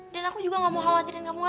dan aku juga gak mau khawatirin kamu lagi